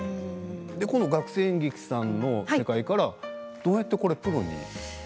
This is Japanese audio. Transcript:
その学生演劇の世界からどうやってプロに？